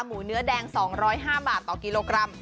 หมูเนื้อแดง๒๐๕บาทต่อกิโลกรัม